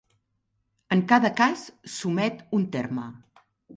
En cada cas, s'omet un terme.